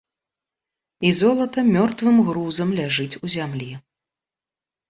І золата мёртвым грузам ляжыць у зямлі.